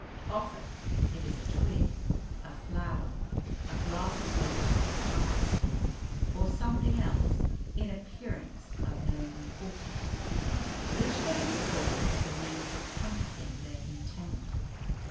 Often it is a twig, a flower, a glass of water, a fire steel, or something else, in appearance of no importance, which they employ as a means of compassing their intent.